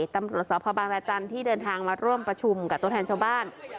ตำรวจสพบางรจันทร์ที่เดินทางมาร่วมประชุมกับตัวแทนชาวบ้าน